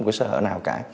của xã hội nào cả